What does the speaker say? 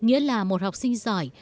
nghĩa là một học sinh giỏi